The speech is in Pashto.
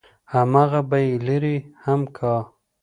همغه به يې لرې هم کا.